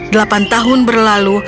delapan tahun berlalu